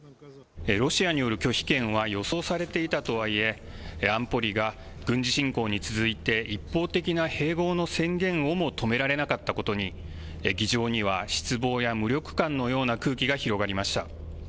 ロシアによる拒否権は、予想されていたとはいえ、安保理が軍事侵攻に続いて一方的な併合の宣言をも止められなかったことに、議場には失望や無力感のような空気が広がりました。